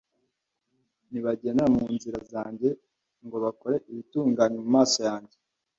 ntibagendere mu nzira zanjye, ngo bakore ibitunganye mu maso yanjye